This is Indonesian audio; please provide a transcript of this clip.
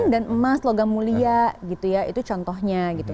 dan emas logam mulia gitu ya itu contohnya gitu